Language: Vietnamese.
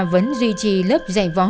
vẫn duy trì lớp dạy võ